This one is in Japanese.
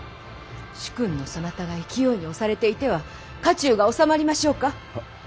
主君のそなたが勢いに押されていては家中が治まりましょうか。